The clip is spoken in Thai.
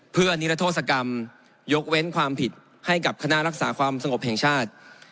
เพื่อนิรโทษกรรมยกเว้นความผิดให้กับคณะรักษาความสงบแห่งชาติ